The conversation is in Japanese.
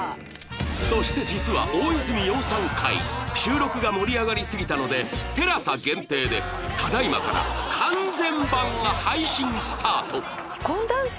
そして実は大泉洋さん回収録が盛り上がりすぎたので ＴＥＬＡＳＡ 限定でただ今から完全版が配信スタート！